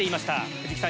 藤木さん